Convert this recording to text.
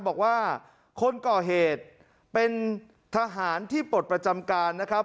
บอกว่าคนก่อเหตุเป็นทหารที่ปลดประจำการนะครับ